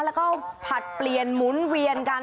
แล้วก็ผลัดเปลี่ยนหมุนเวียนกัน